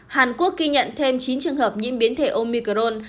hàn quốc ghi nhận thêm chín trường hợp nhiễm biến thể omicron